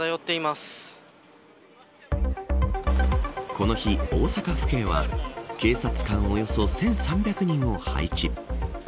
この日、大阪府警は警察官およそ１３００人を配置。